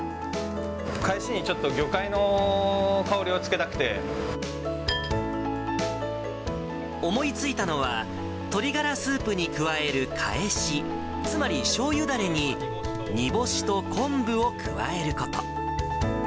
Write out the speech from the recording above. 返しにちょっと魚介の香りを思いついたのは、鶏ガラスープに加える返し、つまりしょうゆだれに煮干しと昆布を加えること。